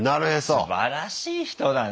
すばらしい人だね。